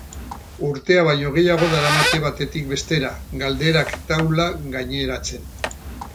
Urtea baino gehiago daramate batetik bestera, galderak taula gaineratzen.